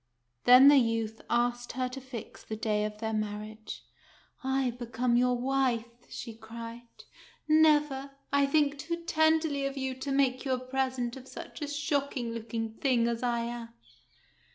Then the youth asked her to fix the day of their marriage. " I become your wife !" she cried. " Never. I think too tenderly of you to make you a present of such a shocking look ing thing as I am."